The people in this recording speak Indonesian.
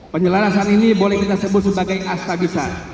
penjelasan ini boleh kita sebut sebagai asta bisa